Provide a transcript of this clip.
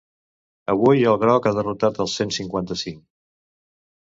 Avui el groc ha derrotat el cent cinquanta-cinc.